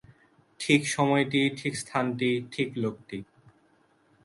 ঠিক সময়টি, ঠিক স্থানটি, ঠিক লোকটি।